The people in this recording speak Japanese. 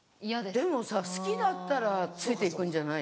でもさ好きだったらついて行くんじゃない？